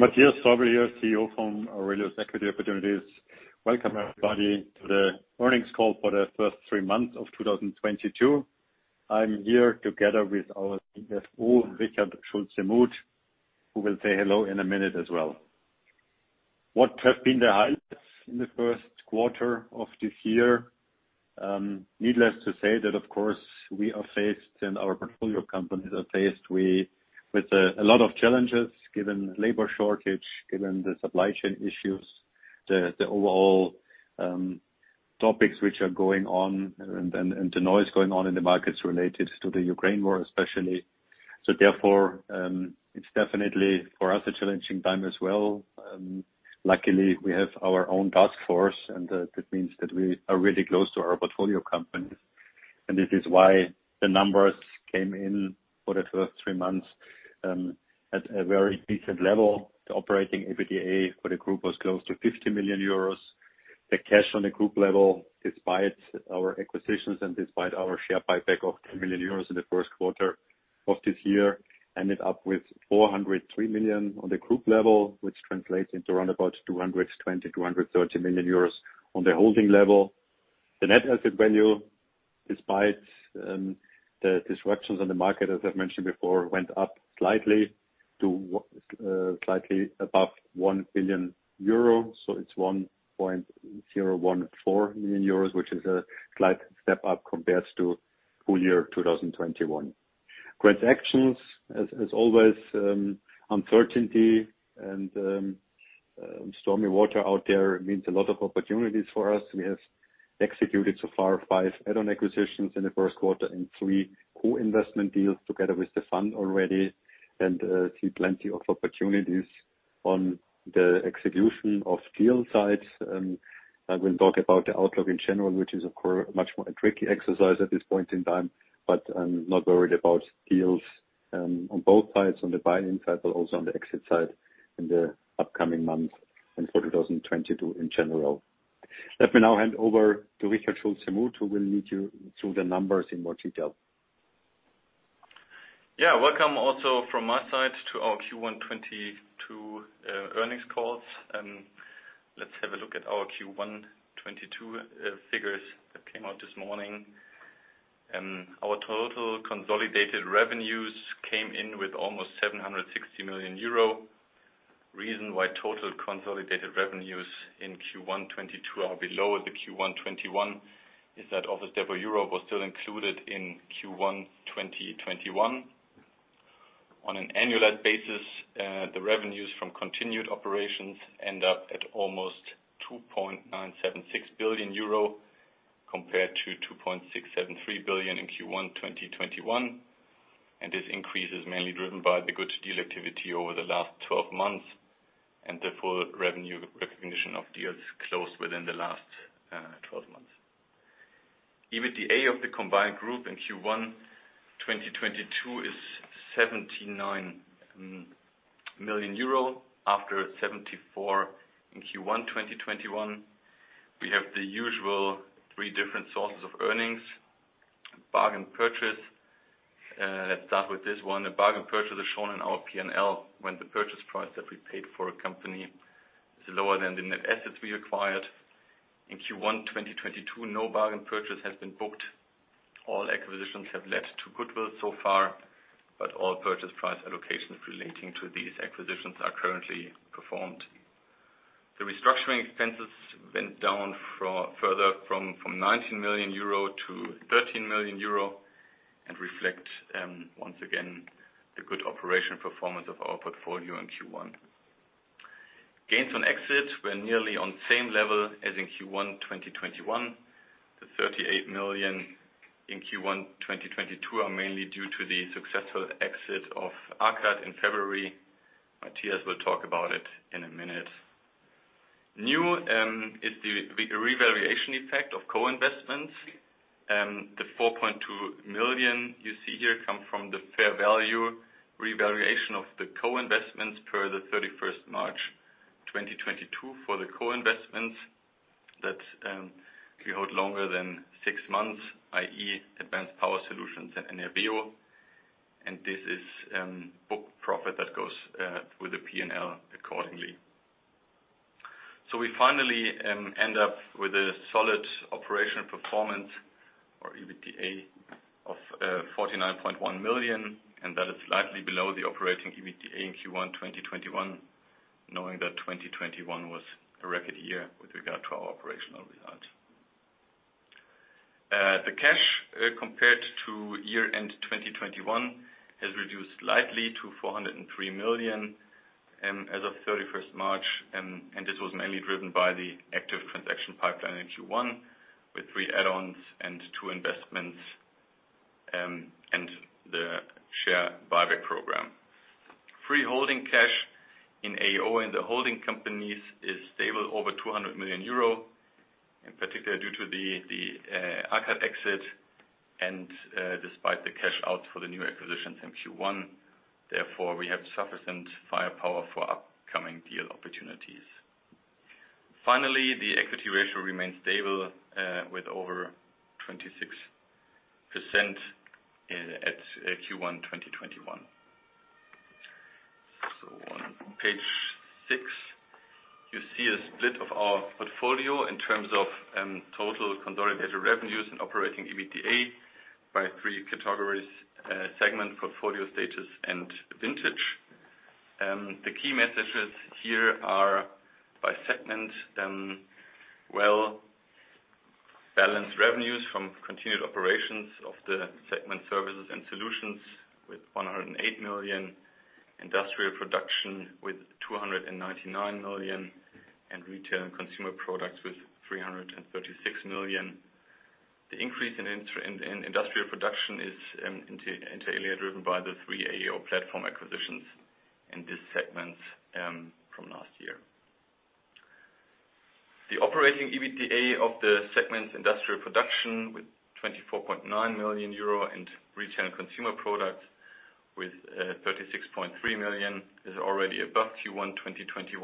Matthias Täubl here, CEO of AURELIUS Equity Opportunities. Welcome, everybody, to the earnings call for the first 3 months of 2022. I'm here together with our CFO, Richard Schulze-Muth, who will say hello in a minute as well. What have been the highlights in the first 1/4 of this year? Needless to say that, of course, we are faced, and our portfolio companies are faced with a lot of challenges, given labor shortage, given the supply chain issues, the overall topics which are going on and the noise going on in the markets related to the Ukraine war, especially. Therefore, it's definitely for us a challenging time as well. Luckily, we have our own task force and that means that we are really close to our portfolio companies. This is why the numbers came in for the first 3 months at a very decent level. The operating EBITDA for the group was close to 50 million euros. The cash on the group level, despite our acquisitions and despite our share buyback of 10 million euros in the first 1/4 of this year, ended up with 403 million on the group level, which translates into around about 220 Million-230 million euros on the holding level. The net asset value, despite the disruptions on the market, as I've mentioned before, went up slightly to slightly above 1 billion euro. It's 1.014 billion euros, which is a slight step up compared to full year 2021. Transactions, as always, uncertainty and stormy waters out there means a lot of opportunities for us. We have executed so far 5 Add-On acquisitions in the first 1/4 and 3 Co-Investment deals together with the fund already and see plenty of opportunities on the execution of deal sides. I will talk about the outlook in general, which is of course a much more tricky exercise at this point in time, but I'm not worried about deals on both sides, on the buying side, but also on the exit side in the upcoming months and for 2022 in general. Let me now hand over to Richard Schulze-Muth, who will lead you through the numbers in more detail. Yeah. Welcome also from my side to our Q1 2022 earnings call. Let's have a look at our Q1 2022 figures that came out this morning. Our total consolidated revenues came in with almost 760 million euro. Reason why total consolidated revenues in Q1 2022 are below the Q1 2021 is that Office Depot Europe was still included in Q1 2021. On an annual basis, the revenues from continued operations end up at almost 2.976 billion euro compared to 2.673 billion in Q1 2021. This increase is mainly driven by the good deal activity over the last twelve months and the full revenue recognition of deals closed within the last twelve months. EBITDA of the combined group in Q1 2022 is 79 million euro after 74 million in Q1 2021. We have the usual 3 different sources of earnings. Bargain purchase. Let's start with this one. A bargain purchase is shown in our P&L when the purchase price that we paid for a company is lower than the net assets we acquired. In Q1 2022, no bargain purchase has been booked. All acquisitions have led to goodwill so far, but all purchase price allocations relating to these acquisitions are currently performed. The restructuring expenses went down further from 19 million euro to 13 million euro and reflect once again the good operational performance of our portfolio in Q1. Gains on exit were nearly on same level as in Q1 2021. The 38 million in Q1 2022 are mainly due to the successful exit of AKAD in February. Matthias will talk about it in a minute. New is the revaluation effect of Co-Investments. The 4.2 million you see here come from the fair value revaluation of the Co-Investments per 31 March 2022 for the Co-Investments that we hold longer than 6 months, i.e., Advanced Power Solutions and Enerveo. This is book profit that goes with the P&L accordingly. We finally end up with a solid operational performance or EBITDA of 49.1 million, and that is slightly below the operating EBITDA in Q1 2021, knowing that 2021 was a record year with regard to our operational results. The cash compared to year-end 2021 has reduced slightly to 403 million as of March 31, and this was mainly driven by the active transaction pipeline in Q1 with 3 Add-Ons and 2 investments and the share buyback program. Free holding cash in AO in the holding companies is stable over 200 million euro, in particular due to the AKAD exit and despite the cash out for the new acquisitions in Q1. Therefore, we have sufficient firepower for upcoming deal opportunities. The equity ratio remains stable with over 26% at Q1 2021. On page 6, you see a split of our portfolio in terms of total consolidated revenues and operating EBITDA by 3 categories: segment, portfolio status, and vintage. The key messages here are by segment, well-balanced revenues from continued operations of the segment Services and Solutions with 108 million, Industrial Production with 299 million, and Retail and Consumer Products with 336 million. The increase in inter alia industrial production is driven by the 3 AO platform acquisitions in this segment from last year. The Operating EBITDA of the segment Industrial Production with 24.9 million euro and Retail and Consumer Products with 36.3 million is already above Q1 2021.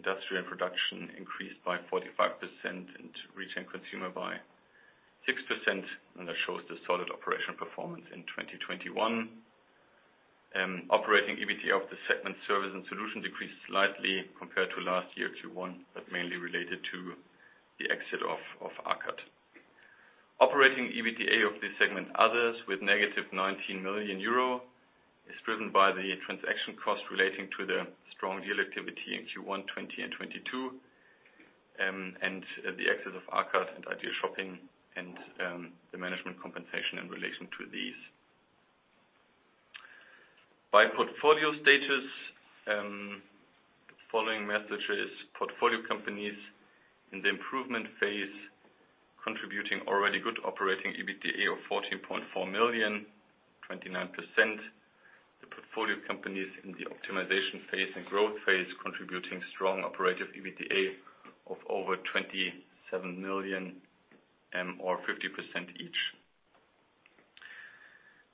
Industrial Production increased by 45% and Retail and Consumer by 6%, and that shows the solid operational performance in 2021. Operating EBITDA of the segment Services and Solutions decreased slightly compared to last year, Q1, but mainly related to the exit of AKAD. Operating EBITDA of this segment, others with negative 19 million euro, is driven by the transaction cost relating to the strong deal activity in Q1 2021 and 2022, and the exit of AKAD and Ideal Shopping Direct and, the management compensation in relation to these. By portfolio status, the following metrics: portfolio companies in the improvement phase contributing already good operating EBITDA of 14.4 million EUR, 29%. The portfolio companies in the optimization phase and growth phase contributing strong operating EBITDA of over 27 million EUR, or 50% each.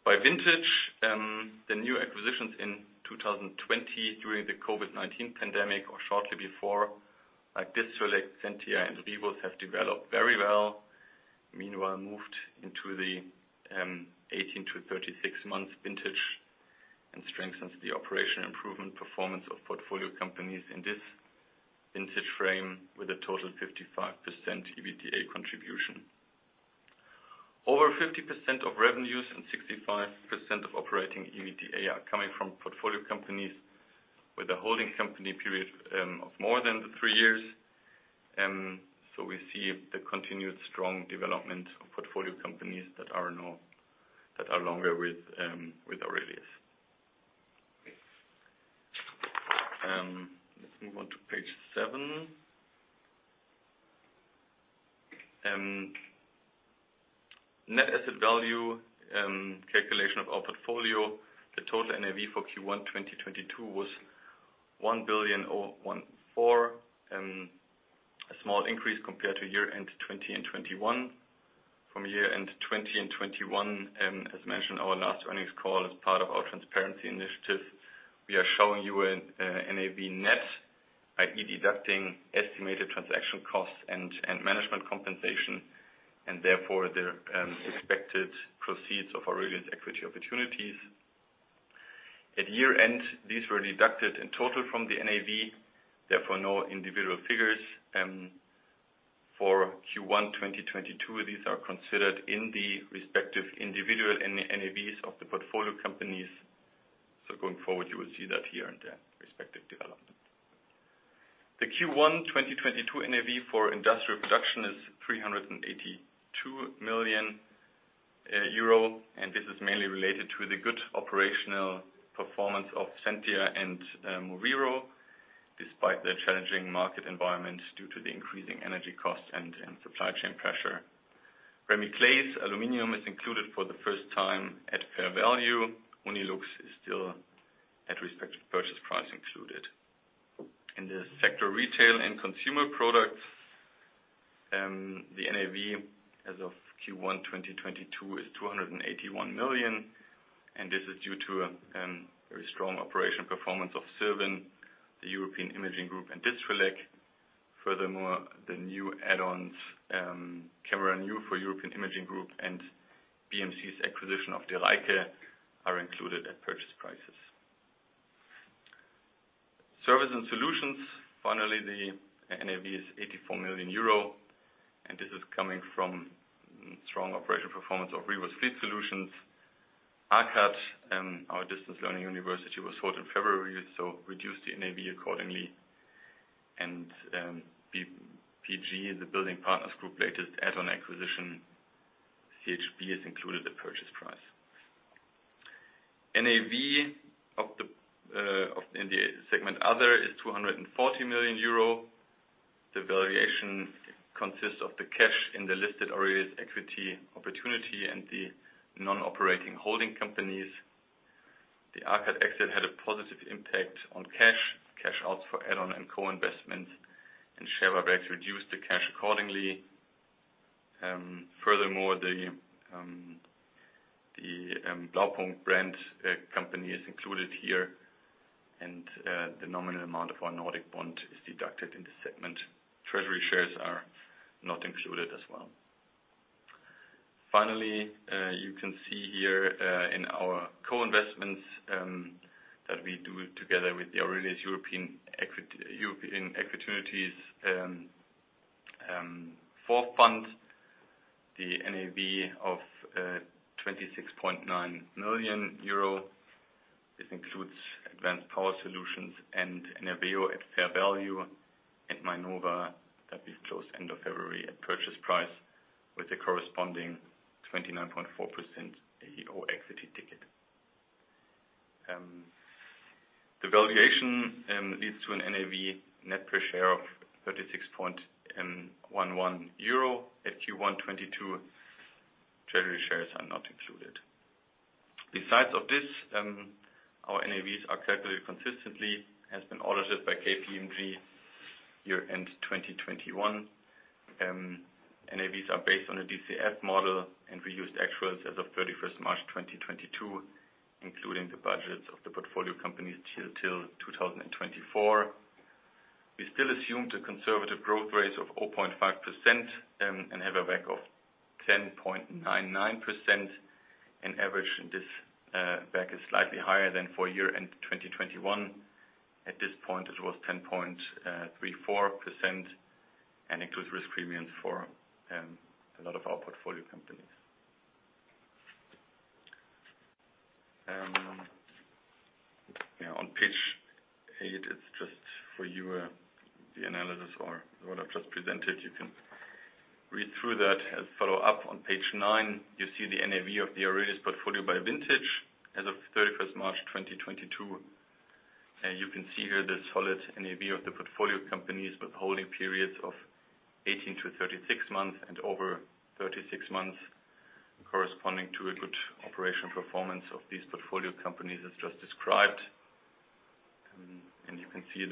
By vintage, the new acquisitions in 2020 during the COVID-19 pandemic or shortly before, like Distrelec, Centia and Rivus have developed very well. Meanwhile, moved into the 18-36 months vintage and strengthens the operational improvement performance of portfolio companies in this vintage frame with a total 55% EBITDA contribution. Over 50% of revenues and 65% of operating EBITDA are coming from portfolio companies with a holding company period of more than 3 years. We see the continued strong development of portfolio companies that are longer with AURELIUS. Let's move on to page 7. NAV calculation of our portfolio. The total NAV for Q1 2022 was 1,014 million, a small increase compared to year-end 2021. From year-end 2021, as mentioned our last earnings call as part of our transparency initiative, we are showing you an NAV net, i.e. Deducting estimated transaction costs and management compensation, and therefore the expected proceeds of AURELIUS Equity Opportunities. At year-end, these were deducted in total from the NAV, therefore no individual figures. For Q1 2022, these are considered in the respective individual NAVs of the portfolio companies. Going forward, you will see that here in the respective development. The Q1 2022 NAV for industrial production is 382 million euro, and this is mainly related to the good operational performance of Centia and moveero, despite the challenging market environment due to the increasing energy costs and supply chain pressure. Remi Claeys Aluminium is included for the first time at fair value. Unilux is still at respective purchase price included. In the sector retail and consumer products, the NAV as of Q1 2022 is 281 million, and this is due to a very strong operational performance of Silvan, the European Imaging Group and Distrelec. Furthermore, the new Add-Ons, Cameranu for European Imaging Group and BMC's acquisition of De Rycke are included at purchase prices. Services and solutions. Finally, the NAV is 84 million euro, and this is coming from strong operational performance of Rivus Fleet Solutions. AKAD, our distance learning university, was sold in February, so reduced the NAV accordingly. BPG, the Building Partners Group, latest Add-On acquisition, CHB, has included the purchase price. NAV in the segment other is 240 million euro. The valuation consists of the cash in the listed AURELIUS Equity Opportunities and the non-operating holding companies. The AKAD exit had a positive impact on cash. Cash outs for Add-On and Co-Investments and share buybacks reduced the cash accordingly. Furthermore, the Blaupunkt brand company is included here and the nominal amount of our Nordic bond is deducted in the segment. Treasury shares are not included as well. Finally, you can see here in our Co-Investments that we do together with the AURELIUS European Opportunities IV 4th fund, the NAV of 26.9 million euro. This includes Advanced Power Solutions and Enerveo at fair value and Minova that we've closed end of February at purchase price with the corresponding 29.4% AO equity ticket. The valuation leads to an NAV net per share of 36.11 euro at Q1 2022. Treasury shares are not included. Besides this, our NAVs are calculated consistently, has been audited by KPMG year-end 2021. NAVs are based on a DCF model, and we used actuals as of 31 March 2022, including the budgets of the portfolio companies till 2024. We still assume the conservative growth rates of 0.5%, and have a WACC of 10.99%. On average, this WACC is slightly higher than for year-end 2021. At this point, it was 10.34% and includes risk premiums for a lot of our portfolio companies. On page 8, it's just for you the analysis or what I've just presented. You can read through that as Follow-Up. On page 9, you see the NAV of the AURELIUS portfolio by vintage as of 31 March 2022. You can see here the solid NAV of the portfolio companies with holding periods of 18-36 months and over 36 months corresponding to a good operational performance of these portfolio companies as just described. You can see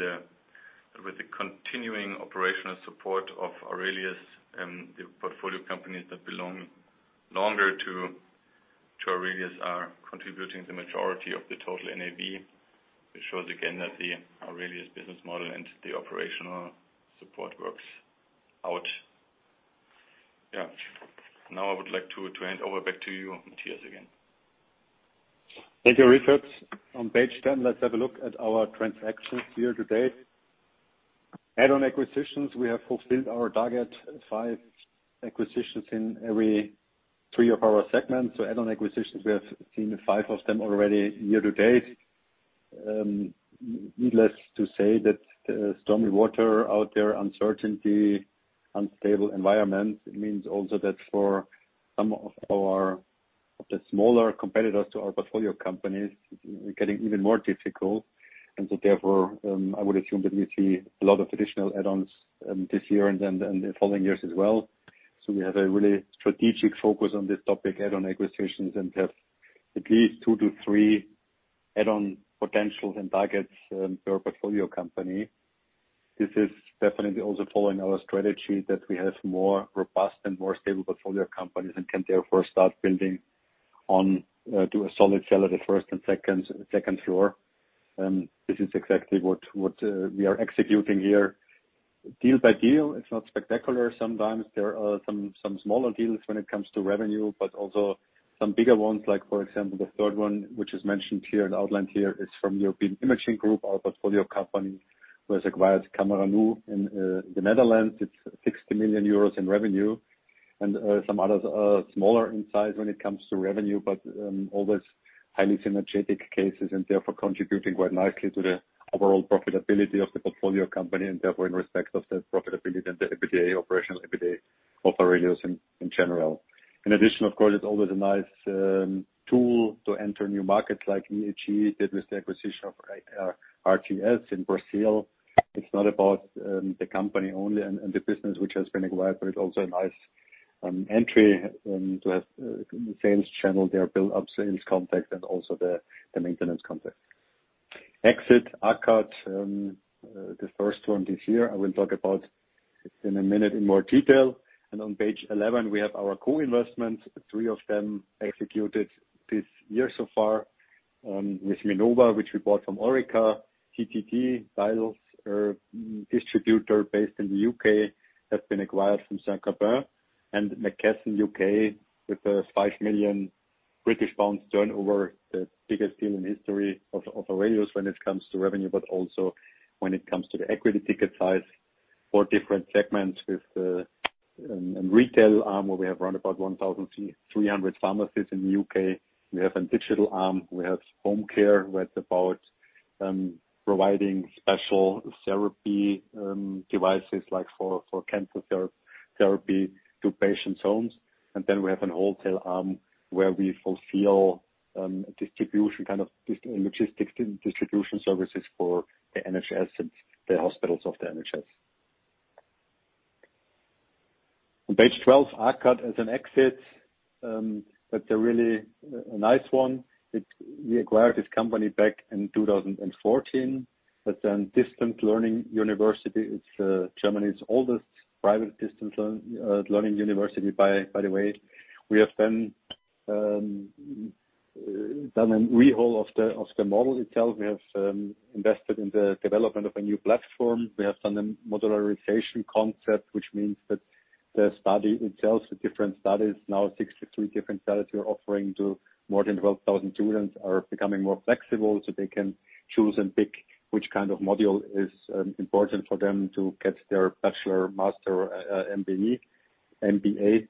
with the continuing operational support of AURELIUS, the portfolio companies that belong longer to AURELIUS are contributing the majority of the total NAV, which shows again that the AURELIUS business model and the operational support works out. Now I would like to hand over back to you, Matthias, again. Thank you, Richard. On page 10, let's have a look at our transactions year to date. Add-on acquisitions, we have fulfilled our target, 5 acquisitions in every 3 of our segments. Add-on acquisitions, we have seen 5 of them already year to date. Needless to say that, stormy water out there, uncertainty, unstable environment, it means also that for some of our smaller competitors to our portfolio companies, it's getting even more difficult. Therefore, I would assume that we see a lot of additional Add-Ons, this year and then the following years as well. We have a really strategic focus on this topic, Add-On acquisitions, and have at least 2 to 3 Add-On potentials and targets, per portfolio company. This is definitely also following our strategy that we have more robust and more stable portfolio companies and can therefore start building on to a solid base at the first and second floor. This is exactly what we are executing here. Deal by deal, it's not spectacular. Sometimes there are some smaller deals when it comes to revenue, but also some bigger ones, like for example, the 1/3 one, which is mentioned here and outlined here, is from European Imaging Group, our portfolio company, who has acquired cameranu in the Netherlands. It's 60 million euros in revenue. Some others are smaller in size when it comes to revenue, but always highly synergetic cases and therefore contributing quite nicely to the overall profitability of the portfolio company and therefore in respect of the profitability to the EBITDA, operational EBITDA of AURELIUS in general. In addition, of course, it's always a nice tool to enter new markets like VAG did with the acquisition of RTS in Brazil. It's not about the company only and the business which has been acquired, but it's also a nice entry to have sales channel there build up sales contacts and also the maintenance contacts. Exited AKAD, the first one this year I will talk about in a minute in more detail. On page eleven, we have our Co-Investments, 3 of them executed this year so far, with Minova, which we bought from Orica. CTD Tiles, distributor based in the UK, has been acquired from Saint-Gobain. McKesson UK with 5 million British pounds turnover, the biggest deal in history of AURELIUS when it comes to revenue, but also when it comes to the equity ticket size for different segments with a retail arm, where we have around about 1,300 pharmacies in the UK. We have a digital arm. We have home care, where it's about providing special therapy devices like for cancer therapy to patients' homes. We have a wholesale arm where we fulfill distribution kind of logistics and distribution services for the NHS and the hospitals of the NHS. On page twelve, AKAD as an exit, that's a really nice one. We acquired this company back in 2014. That's a distance learning university. It's Germany's oldest private distance learning university, by the way. We have then done an overhaul of the model itself. We have invested in the development of a new platform. We have done a modularization concept, which means that the study itself, the different studies, now 63 different studies we're offering to more than 12,000 students, are becoming more flexible, so they can choose and pick which kind of module is important for them to get their bachelor, master, MBA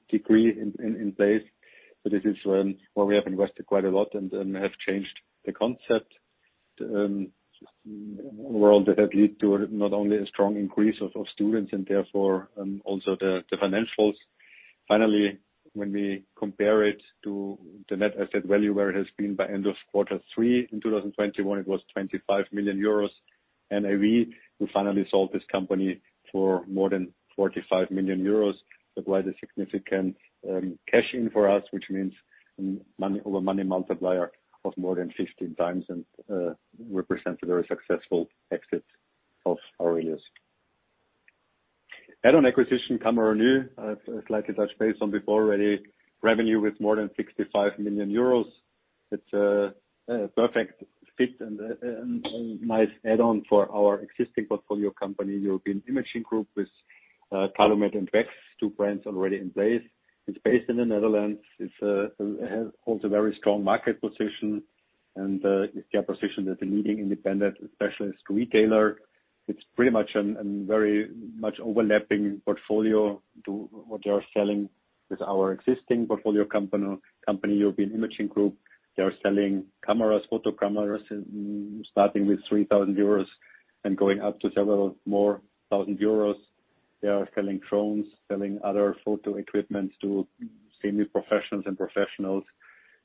degree in place. This is where we have invested quite a lot and have changed the concept. Overall that had led to not only a strong increase of students and therefore also the financials. Finally, when we compare it to the net asset value, where it has been by end of Q3 2021, it was 25 million euros NAV, we finally sold this company for more than 45 million euros. That was a significant cash-in for us, which means money over money multiplier of more than 15x and represents a very successful exit of AURELIUS. Add-On acquisition, Cameranu. Slightly touched base on before already. Revenue with more than 65 million euros. It's a perfect fit and nice Add-On for our existing portfolio company, European Imaging Group, with Calumet and Wex, 2 brands already in place. It's based in the Netherlands. Holds a very strong market position and their position as the leading independent specialist retailer. It's pretty much very much overlapping portfolio to what they are selling with our existing portfolio company European Imaging Group. They are selling cameras, photo cameras, starting with 3,000 euros and going up to several more thousand EUR. They are selling drones, selling other photo equipment to Semi-Professionals and professionals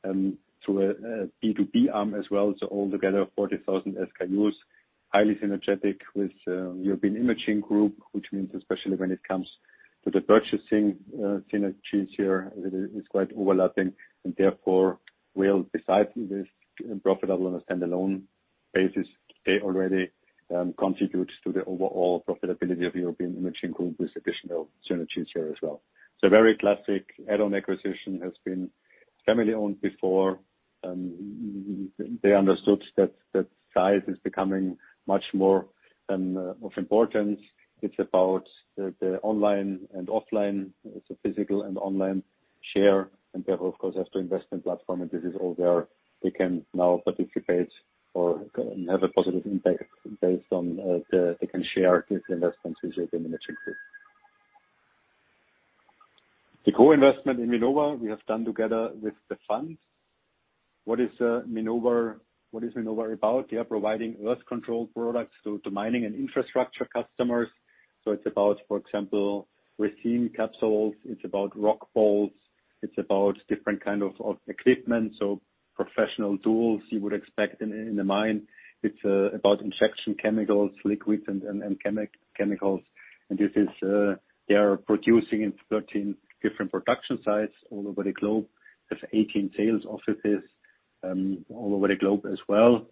through a B2B arm as well. Altogether, 40,000 SKUs, highly synergistic with European Imaging Group, which means especially when it comes to the purchasing synergies here, it is quite overlapping and therefore will besides this profitable on a standalone basis, they already contribute to the overall profitability of European Imaging Group with additional synergies here as well. Very classic Add-On acquisition. Has been family-owned before. They understood that size is becoming much more of importance. It's about the online and offline, so physical and online share, and therefore, of course, have to invest in platform, and this is all there. They can now participate or have a positive impact based on they can share these investments with European Imaging Group. The Co-Investment in Minova we have done together with the funds. What is Minova? What is Minova about? They are providing ground control products to mining and infrastructure customers. So it's about, for example, resin capsules, it's about rock bolts, it's about different kind of equipment, so professional tools you would expect in a mine. It's about injection chemicals, liquids and chemicals. They are producing in 13 different production sites all over the globe. There's 18 sales offices all over the globe as well.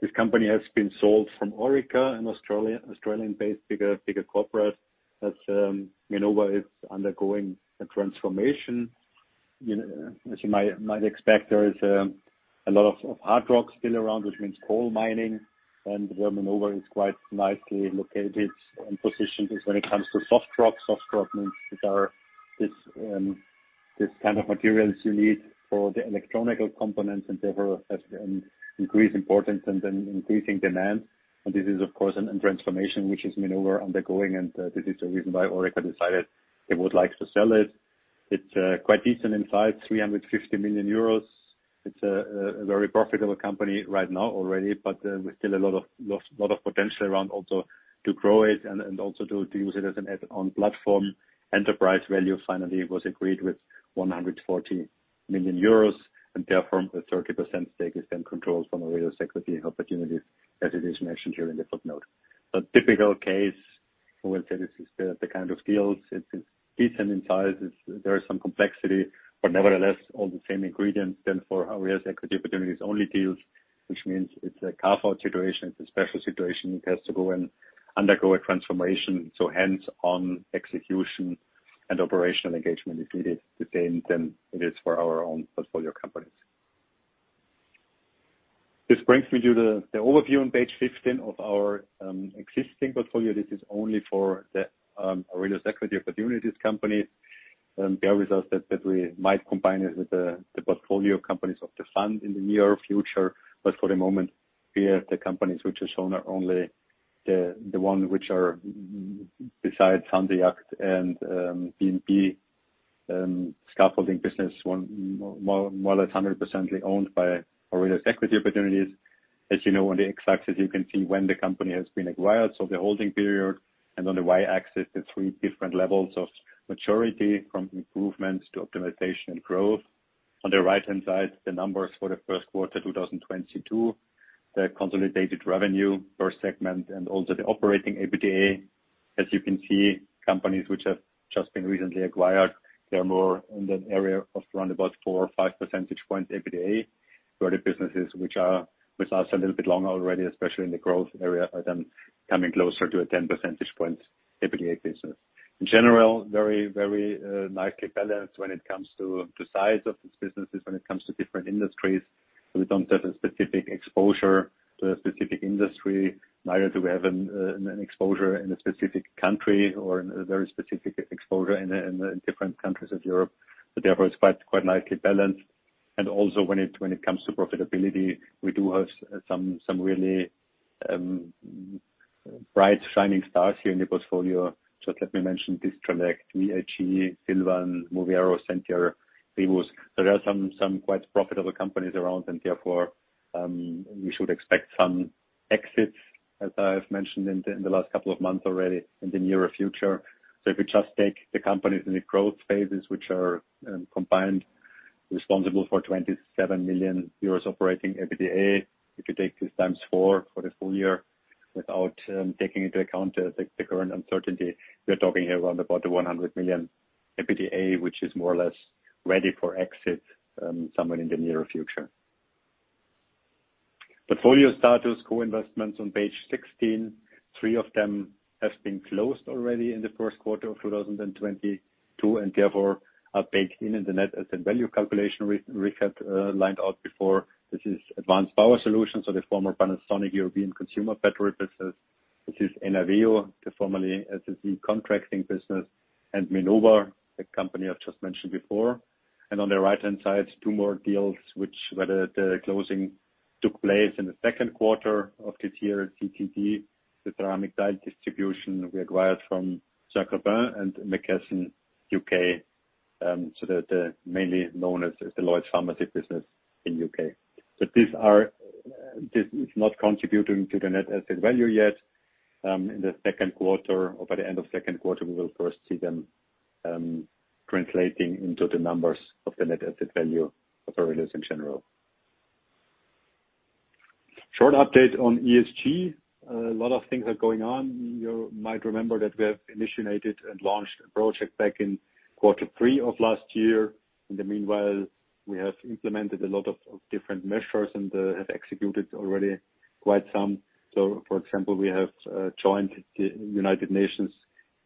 This company has been sold from Orica, an Australian-Based bigger corporate. As Minova is undergoing a transformation, you know, as you might expect, there is a lot of hard rock still around, which means coal mining, and where Minova is quite nicely located and positioned is when it comes to soft rock. Soft rock means this kind of materials you need for the electronic components and therefore has increased importance and increasing demand. This is of course a transformation which Minova is undergoing, and this is the reason why Orica decided they would like to sell it. It's quite decent in size, 350 million euros. It's a very profitable company right now already, but with still a lot of potential around also to grow it and also to use it as an Add-On platform. Enterprise value finally was agreed with 140 million euros, and therefore a 30% stake is then controlled from AURELIUS Equity Opportunities, as it is mentioned here in the footnote. A typical case. I will say this is the kind of deals. It's decent in size. It's. There is some complexity, but nevertheless, all the same ingredients then for AURELIUS Equity Opportunities only deals, which means it's a Carve-Out situation. It's a special situation. It has to go and undergo a transformation, so hands-on execution and operational engagement is needed the same then it is for our own portfolio companies. This brings me to the overview on page 15 of our existing portfolio. This is only for the AURELIUS Equity Opportunities company. There is also that we might combine it with the portfolio companies of the fund in the near future. For the moment, here the companies which are shown are only the one which are besides Sandiak and BNP scaffolding business, more or less 100% owned by AURELIUS Equity Opportunities. As you know, on the X-Axis, you can see when the company has been acquired, so the holding period, and on the Y-axis, the 3 different levels of maturity, from improvements to optimization and growth. On the Right-Hand side, the numbers for the first 1/4 2022. The consolidated revenue per segment and also the operating EBITDA. As you can see, companies which have just been recently acquired, they are more in the area of around about 4 or 5 percentage points EBITDA. For the businesses which are with us a little bit longer already, especially in the growth area, are then coming closer to a 10 percentage points EBITDA basis. In general, very nicely balanced when it comes to to size of these businesses, when it comes to different industries. We don't have a specific exposure to a specific industry, neither do we have an exposure in a specific country or in a very specific exposure in the different countries of Europe. But therefore it's quite nicely balanced. Also when it comes to profitability, we do have some really bright shining stars here in the portfolio. Just let me mention Distrelec, VHG, Silvan, moveero, Centia, Rivus. There are some quite profitable companies around and therefore, we should expect some exits, as I've mentioned in the last couple of months already in the nearer future. If we just take the companies in the growth phases, which are combined responsible for 27 million euros operating EBITDA. If you take this times 4 for the full year without taking into account the current uncertainty, we're talking here around about 100 million EBITDA, which is more or less ready for exit, somewhere in the nearer future. Portfolio status Co-Investments on page 16. Three of them have been closed already in the first 1/4 of 2022, and therefore are baked in the net asset value calculation Richard laid out before. This is Advanced Power Solutions, so the former Panasonic European consumer battery business. This is Enerveo, the formerly SSE contracting business, and Minova, the company I've just mentioned before. On the Right-Hand side, 2 more deals where the closing took place in the second 1/4 of this year, CTD, the ceramic tile distributor we acquired from Saint-Gobain and McKesson UK, so they're mainly known as the LloydsPharmacy business in UK. This is not contributing to the net asset value yet. In the second 1/4 or by the end of second 1/4, we will first see them translating into the numbers of the net asset value of AURELIUS in general. Short update on ESG. A lot of things are going on. You might remember that we have initiated and launched a project back in 1/4 3 of last year. In the meanwhile, we have implemented a lot of different measures and have executed already quite some. For example, we have joined the United Nations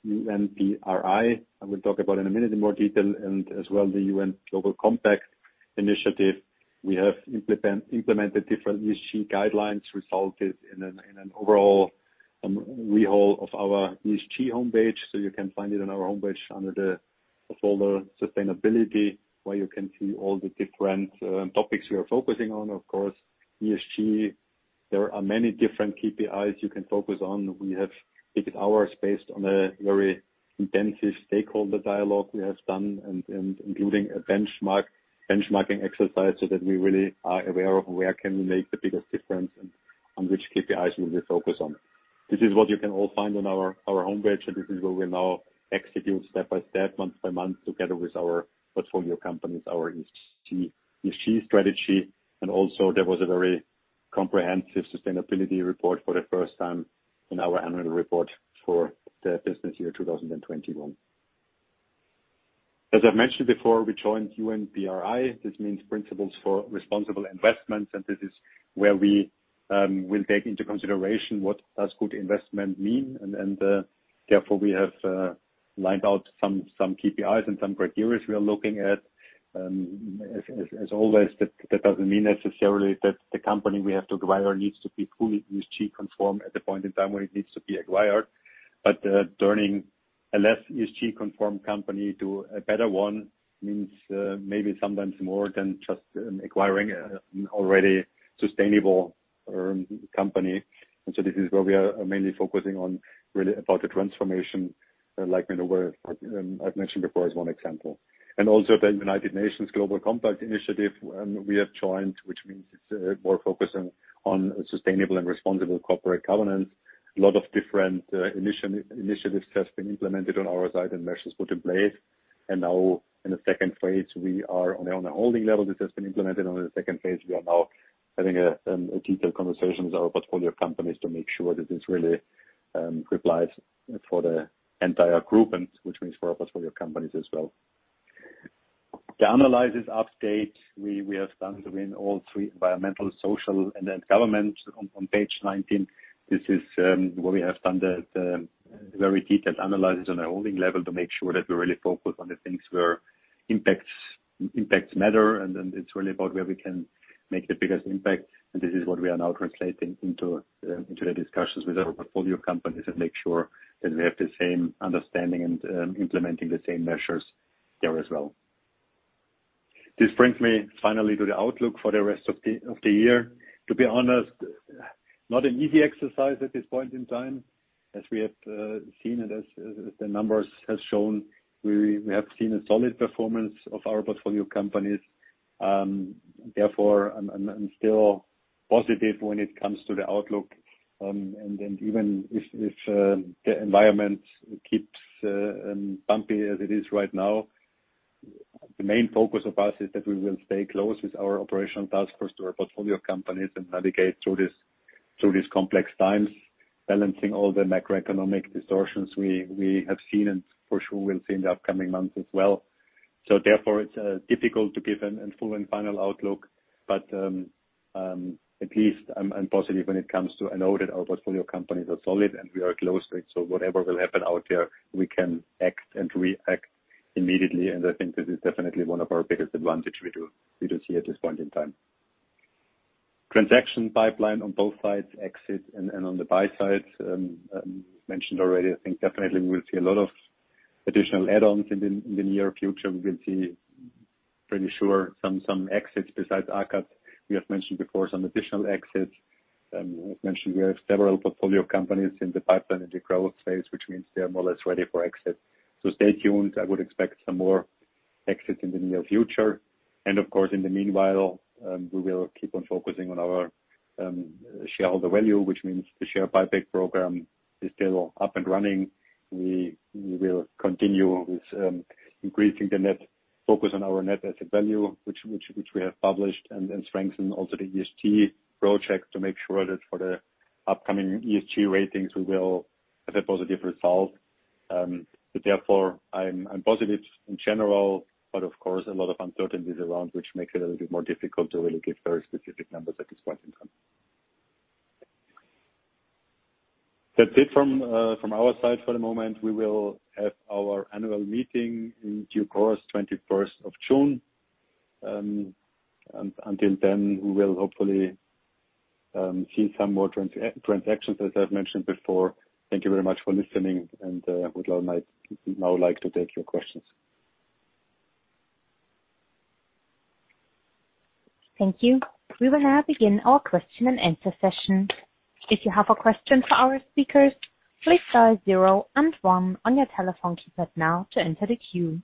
UN PRI. I will talk about in a minute in more detail and as well the UN Global Compact Initiative. We have implemented different ESG guidelines, resulted in an overall overhaul of our ESG homepage. You can find it on our homepage under the folder Sustainability, where you can see all the different topics we are focusing on. Of course, ESG, there are many different KPIs you can focus on. We have picked ours based on a very intensive stakeholder dialogue we have done and including a benchmarking exercise so that we really are aware of where can we make the biggest difference and on which KPIs will we focus on. This is what you can all find on our homepage, and this is where we now execute step by step, month by month, together with our portfolio companies, our ESG strategy. Also there was a very comprehensive sustainability report for the first time in our annual report for the business year 2021. As I've mentioned before, we joined UNPRI. This means Principles for Responsible Investments, and this is where we will take into consideration what does good investment mean, and therefore we have lined out some KPIs and some criteria we are looking at. As always, that doesn't mean necessarily that the company we have to acquire needs to be fully ESG conform at the point in time when it needs to be acquired. Turning a less ESG conformed company to a better one means maybe sometimes more than just acquiring an already sustainable company. This is where we are mainly focusing on really about the transformation like Minova I've mentioned before as one example. The United Nations Global Compact Initiative we have joined which means it's more focused on sustainable and responsible corporate governance. A lot of different initiatives has been implemented on our side and measures put in place. In the second phase we are on a holding level this has been implemented. In the second phase we are now having a detailed conversation with our portfolio companies to make sure that this really applies for the entire group and which means for our portfolio companies as well. To analyze this update, we have done within all 3 environmental, social, and governance on page 19. This is where we have done the very detailed analysis on a holding level to make sure that we're really focused on the things where impacts matter. It's really about where we can make the biggest impact. This is what we are now translating into the discussions with our portfolio companies and make sure that we have the same understanding and implementing the same measures there as well. This brings me finally to the outlook for the rest of the year. To be honest, not an easy exercise at this point in time, as we have seen it, as the numbers has shown, we have seen a solid performance of our portfolio companies. Therefore I'm still positive when it comes to the outlook. Even if the environment keeps bumpy as it is right now, the main focus of us is that we will stay close with our operational task force to our portfolio companies and navigate through this, through these complex times, balancing all the macroeconomic distortions we have seen and for sure will see in the upcoming months as well. Therefore, it's difficult to give a full and final outlook. At least I'm positive when it comes to, I know that our portfolio companies are solid, and we are close, right? Whatever will happen out there, we can act and react immediately, and I think this is definitely one of our biggest advantage we see at this point in time. Transaction pipeline on both sides, exit and on the buy side, mentioned already. I think definitely we will see a lot of additional Add-Ons in the near future. We will see, pretty sure, some exits besides AKAD. We have mentioned before some additional exits. We've mentioned we have several portfolio companies in the pipeline in the growth phase, which means they are more or less ready for exit. Stay tuned. I would expect some more exits in the near future. Of course, in the meanwhile, we will keep on focusing on our shareholder value, which means the share buyback program is still up and running. We will continue with increasing the net focus on our net asset value, which we have published, and strengthen also the ESG project to make sure that for the upcoming ESG ratings, we will have a positive result. Therefore, I'm positive in general, but of course, a lot of uncertainties around, which makes it a little bit more difficult to really give very specific numbers at this point in time. That's it from our side for the moment. We will have our annual meeting in due course, 21st of June. Until then, we will hopefully see some more transactions, as I've mentioned before. Thank you very much for listening and might now like to take your questions. Thank you. We will now begin our Question-And-Answer session. If you have a question for our speakers, please dial 0 and 1 on your telephone keypad now to enter the queue.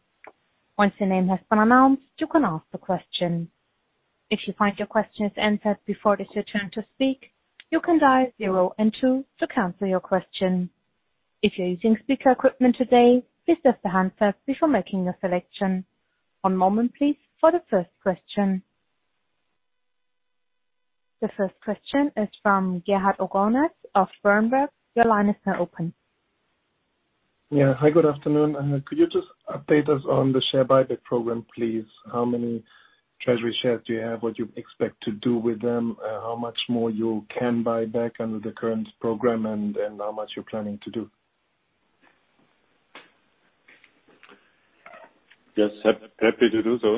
Once your name has been announced, you can ask the question. If you find your question is answered before it is your turn to speak, you can dial 0 and 2 to cancel your question. If you're using speaker equipment today, please press the handset before making a selection. One moment, please, for the first question. The first question is from Gerhard Ogornat of uncertain. Your line is now open. Yeah. Hi, good afternoon. Could you just update us on the share buyback program, please? How many treasury shares do you have? What you expect to do with them? How much more you can buy back under the current program and how much you're planning to do? Yes. Happy to do so.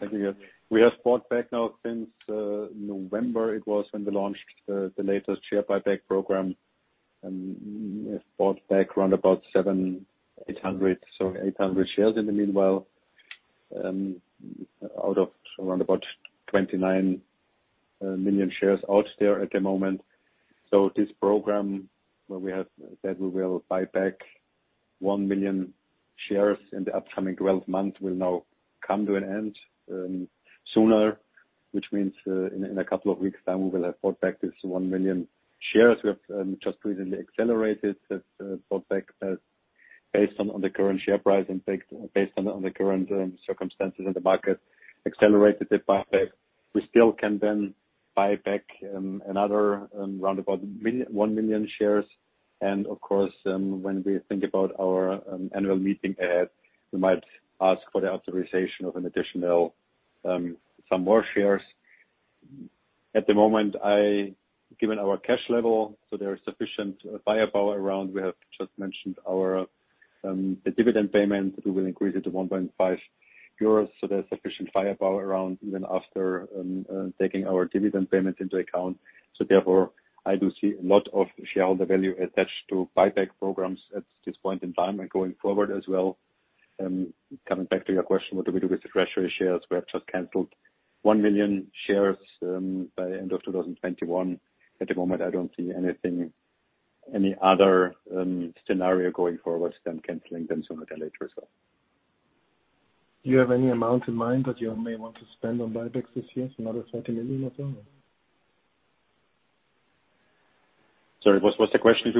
I think we have bought back now since November, it was when we launched the latest share buyback program, we have bought back around about 800 shares in the meanwhile, out of around about 29 million shares out there at the moment. This program where we have said we will buy back 1 million shares in the upcoming 12 months will now come to an end sooner, which means in a couple of weeks time, we will have bought back this 1 million shares. We have just recently accelerated this buyback based on the current share price and based on the current circumstances in the market. We still can then buy back another round about 1 million shares. Of course, when we think about our annual meeting ahead, we might ask for the authorization of an additional some more shares. At the moment, given our cash level, so there is sufficient firepower around. We have just mentioned our the dividend payment, we will increase it to 1.5 euros, so there's sufficient firepower around even after taking our dividend payment into account. Therefore, I do see a lot of shareholder value attached to buyback programs at this point in time and going forward as well. Coming back to your question, what do we do with the treasury shares? We have just canceled 1 million shares by the end of 2021. At the moment, I don't see anything, any other, scenario going forward than canceling them sooner than later, so. Do you have any amount in mind that you may want to spend on buybacks this year? Another 20 million or so? Sorry, what? What's the question?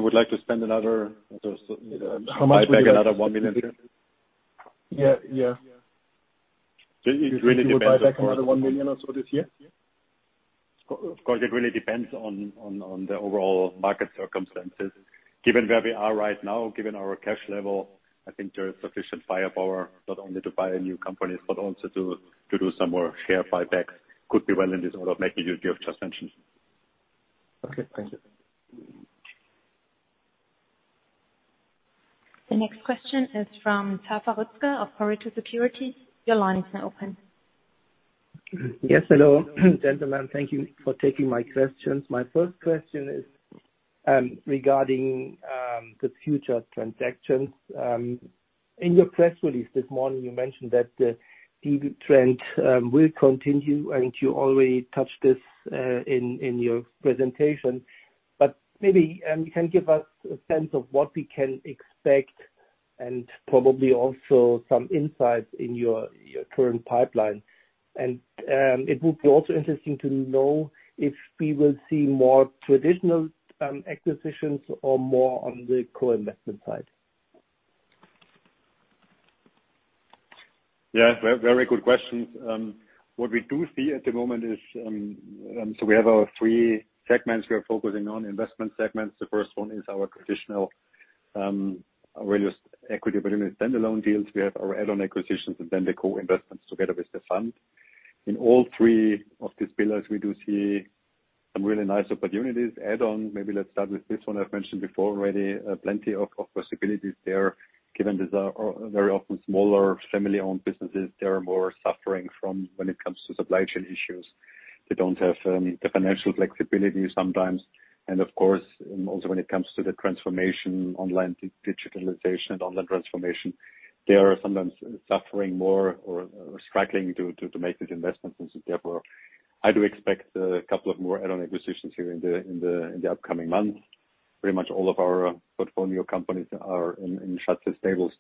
How much? Buy back another 1 million? Yeah. Yeah. It really depends upon. If you will buy back another 1 million or so this year? Of course, it really depends on the overall market circumstances. Given where we are right now, given our cash level, I think there is sufficient firepower not only to buy new companies, but also to do some more share buybacks. Could be well in this order of magnitude you have just mentioned. Okay, thank you. The next question is from Tim-frederik Rützel Yes, hello. Gentlemen, thank you for taking my questions. My first question is regarding the future transactions. In your press release this morning, you mentioned that the De-Risk trend will continue, and you already touched this in your presentation. Maybe you can give us a sense of what we can expect and probably also some insights in your current pipeline. It would be also interesting to know if we will see more traditional acquisitions or more on the Co-Investment side. Very good questions. What we do see at the moment is we have our 3 investment segments we are focusing on. The first one is our traditional real estate equity, but in the standalone deals, we have our Add-On acquisitions and then the Co-Investments together with the fund. In all 3 of these pillars, we do see some really nice opportunities. Add-On, maybe let's start with this one I've mentioned before already, plenty of possibilities there, given these are very often smaller Family-Owned businesses, they are more suffering from when it comes to supply chain issues. They don't have the financial flexibility sometimes. Of course, also when it comes to the transformation online, digitalization and online transformation, they are sometimes suffering more or struggling to make these investments. Therefore, I do expect a couple of more Add-On acquisitions here in the upcoming months. Pretty much all of our portfolio companies are in such a stable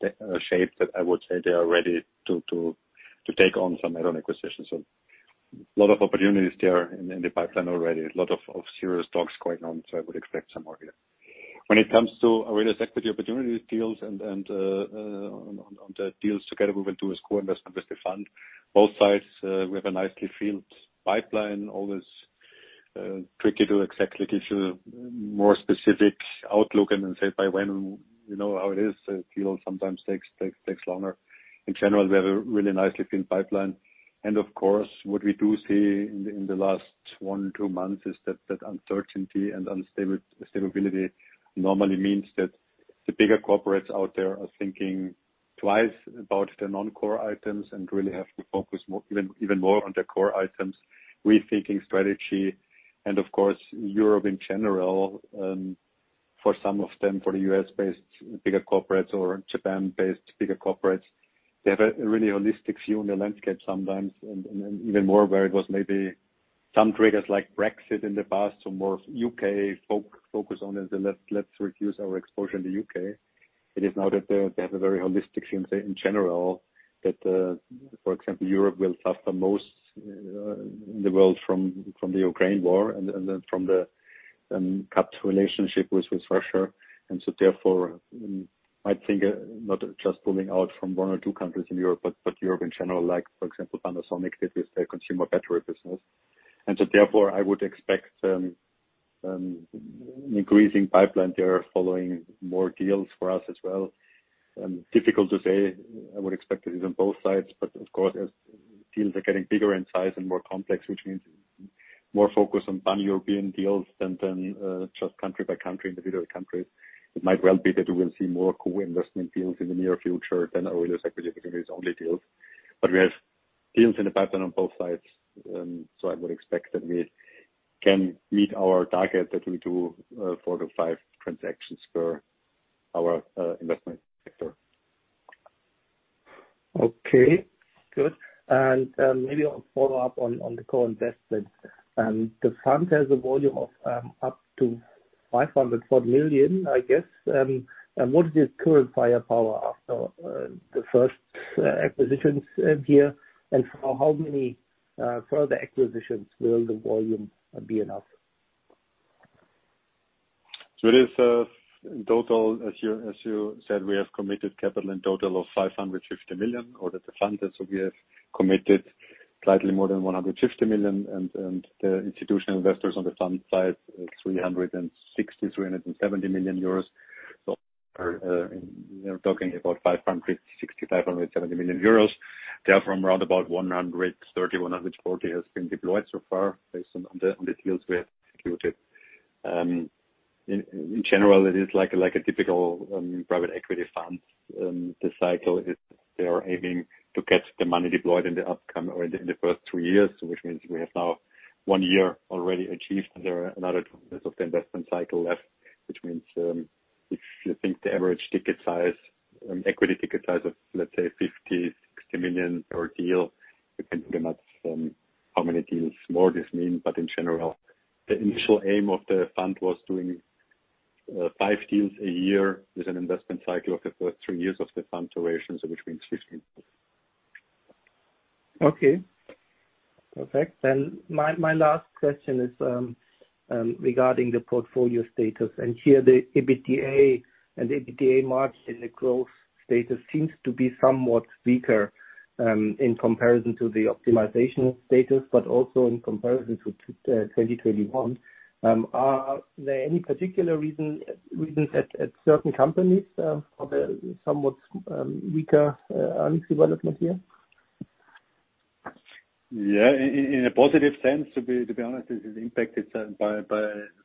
shape that I would say they are ready to take on some Add-On acquisitions. So lot of opportunities there in the pipeline already. A lot of serious talks going on, so I would expect some more here. When it comes to our real estate equity opportunity deals and on the deals together, we went to a Co-Investment with the fund. Both sides, we have a nicely filled pipeline, always tricky to exactly give you more specific outlook and then say by when, you know how it is, a deal sometimes takes longer. In general, we have a really nicely filled pipeline. Of course, what we do see in the last 1-2 months is that uncertainty and stability normally means that the bigger corporates out there are thinking twice about their non-core items and really have to focus more, even more on their core items, rethinking strategy. Of course, Europe in general, for some of them, for the U.S.-Based bigger corporates or Japan-Based bigger corporates, they have a really holistic view on the landscape sometimes, and even more where it was maybe some triggers like Brexit in the past or more U.K. focus on is the let's reduce our exposure in the U.K. It is now that they have a very holistic view in general that, for example, Europe will suffer most, in the world from the Ukraine war and then from the cut relationship with Russia. I think not just pulling out from one or 2 countries in Europe, but Europe in general, like for example, Panasonic did with their consumer battery business. I would expect increasing pipeline there following more deals for us as well. Difficult to say. I would expect it is on both sides, but of course, as deals are getting bigger in size and more complex, which means more focus on Pan-European deals than just country by country, individual countries, it might well be that we will see more Co-Investment deals in the near future than our AURELIUS Equity Opportunities only deals. We have deals in the pipeline on both sides, so I would expect that we can meet our target that we do 4-5 transactions per our investment sector. Okay, good. Maybe I'll follow up on the Co-Investments. The fund has a volume of up to 504 million, I guess. What is the current firepower after the first acquisitions here? For how many further acquisitions will the volume be enough? It is, in total, as you said, we have committed capital in total of 550 million, so we have committed slightly more than 150 million and the institutional investors on the fund side, 360-370 million euros. We're talking about 560-570 million euros. Therefrom around about 130-140 has been deployed so far based on the deals we have executed. In general, it is like a typical private equity fund. The cycle is they are aiming to get the money deployed in the first 2 years, which means we have now 1 year already achieved, and there are another 2 years of the investment cycle left, which means, if you think the average ticket size, equity ticket size of, let's say, 50-60 million per deal, you can do the math, how many deals more this means. In general, the initial aim of the fund was doing 5 deals a year with an investment cycle of the first 3 years of the fund duration, which means 15. Okay. Perfect. My last question is regarding the portfolio status. Here the EBITDA and the EBITDA margin, the growth status seems to be somewhat weaker in comparison to the optimization status, but also in comparison to 2021. Are there any particular reasons at certain companies for the somewhat weaker earnings development here? In a positive sense, to be honest, this is impacted by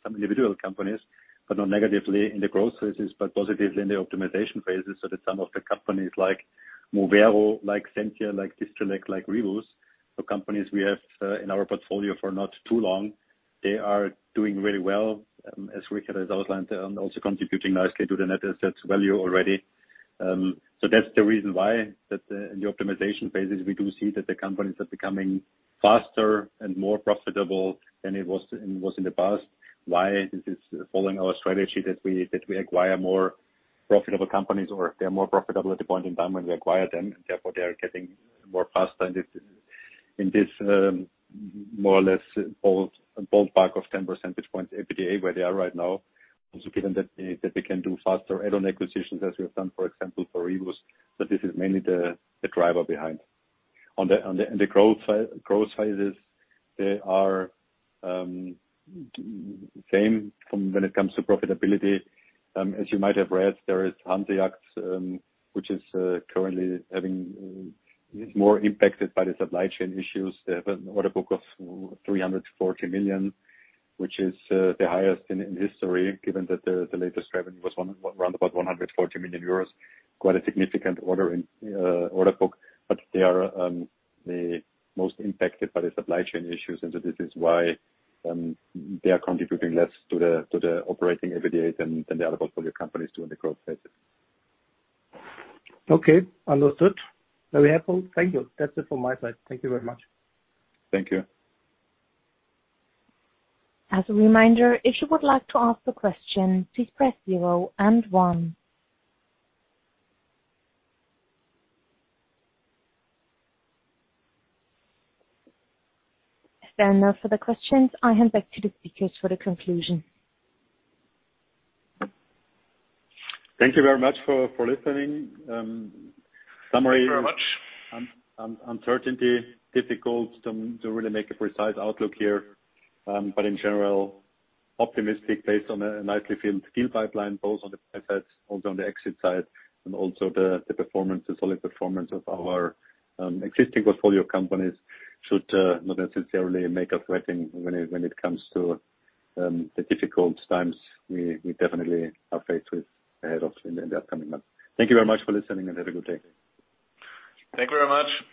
some individual companies, but not negatively in the growth phases, but positively in the optimization phases, so that some of the companies like Moveo, like Centia, like Distrelec, like Rivus, so companies we have in our portfolio for not too long, they are doing really well, as Richard has outlined, and also contributing nicely to the net asset value already. That's the reason why that in the optimization phases, we do see that the companies are becoming faster and more profitable than it was in the past. Why? This is following our strategy that we acquire more profitable companies, or if they are more profitable at the point in time when we acquire them, therefore they are getting more faster in this, more or less bold pack of 10 percentage points EBITDA where they are right now. Also given that they can do faster Add-On acquisitions, as we have done, for example, for Rivus, that this is mainly the driver behind. In the growth sizes, they are same from when it comes to profitability. As you might have read, there is HanseYachts, which is more impacted by the supply chain issues. They have an order book of 340 million, which is the highest in history, given that the latest revenue was round about 140 million euros. Quite a significant order book, but they are the most impacted by the supply chain issues. This is why they are contributing less to the operating EBITDA than the other portfolio companies do in the growth phases. Okay. Understood. Very helpful. Thank you. That's it from my side. Thank you very much. Thank you. As a reminder, if you would like to ask a question, please press zero and one. If there are no further questions, I hand back to the speakers for the conclusion. Thank you very much for listening. Thank you very much. Uncertainty, difficult to really make a precise outlook here. In general, optimistic based on a nicely filled deal pipeline, both on the buy side, also on the exit side, and also the solid performance of our existing portfolio companies should not necessarily make us wait when it comes to the difficult times we definitely are faced with ahead of in the upcoming months. Thank you very much for listening and have a good day. Thank you very much.